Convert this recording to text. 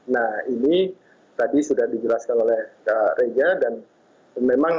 nah ini tadi sudah dijelaskan oleh kak reza dan memang ini